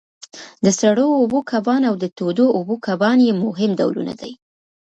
د سړو اوبو کبان او د تودو اوبو کبان یې مهم ډولونه دي.